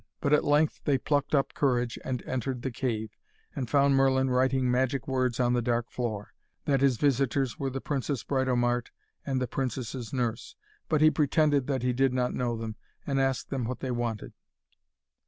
But at length they plucked up courage and entered the cave, and found Merlin writing magic words on the dark floor. He knew very well, although they wore shabby old clothes, that his visitors were the Princess Britomart and the princess's nurse. But he pretended that he did not know them, and asked them what they wanted.